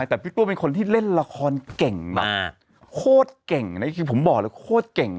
แต่พี่ตัวเป็นคนที่เล่นละครเก่งมากโคตรเก่งนะคือผมบอกเลยโคตรเก่ง